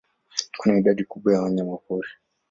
Kuna idadi kubwa ya wanyamapori.